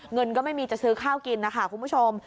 เงินก็ไม่มีจะซื้อข้าวกินนะคะคุณผู้ชม